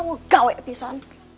nggak weh pisah